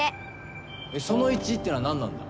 その１っていうのはなんなんだ？